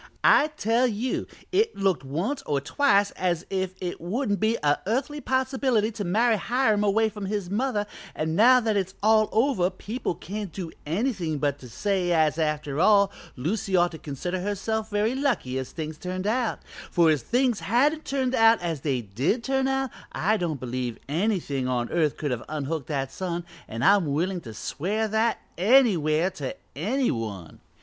I tell you it looked once or twice as if it wouldn't be a earthly possibility to marry Hiram away from his mother, and now that it's all over people can't do anything but say as after all Lucy ought to consider herself very lucky as things turned out, for if things hadn't turned out as they did turn out I don't believe anything on earth could have unhooked that son, and I'm willin' to swear that anywhere to any one.